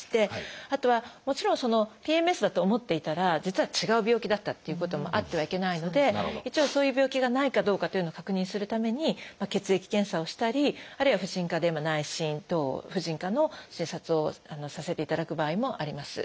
あとはもちろんＰＭＳだと思っていたら実は違う病気だったっていうこともあってはいけないので一応そういう病気がないかどうかというのを確認するために血液検査をしたりあるいは婦人科で内診等婦人科の診察をさせていただく場合もあります。